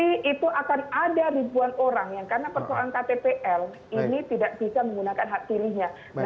ini tidak bisa menggunakan hak pilihnya